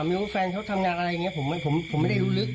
ไม่รู้ว่าแฟนเขาทำงานอะไรอย่างนี้ผมไม่ได้รู้ลึก